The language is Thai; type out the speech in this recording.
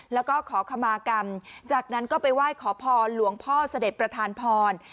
แล้วก็ขอขมากรรมจากนั้นก็ไปไหว้ขอพรหลวงพ่อเสด็จประธานพร